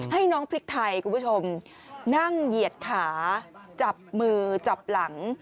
ให้น้องพริกไทยคุณผู้ชมนั่งเหยียดขาจับมือจับหลัง